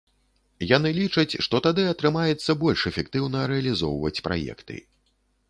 Яны лічаць, што тады атрымаецца больш эфектыўна рэалізоўваць праекты.